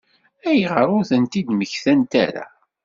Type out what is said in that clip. Ayɣer ur tent-id-mmektant ara?